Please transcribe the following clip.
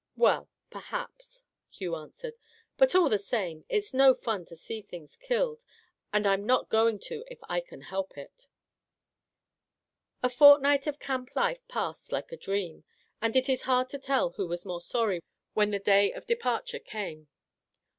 "Well, — perhaps," Hugh answered, cc but, all the same, it's no fun to see things killed, and I'm not going to if I can help it!" The fortnight of camp life passed like a dream, and it is hard to tell who was most sorry when the day of departure came.